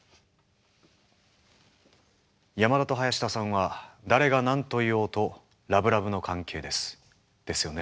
山田と林田さんは誰が何と言おうとラブラブの関係です。ですよね？